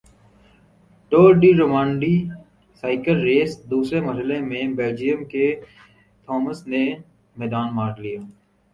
tour de Romandie cycle race دوسرے مرحلے میں بیلجیئم کے تھامس نے میدان مار لیا